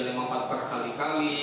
lemah empat per kali kali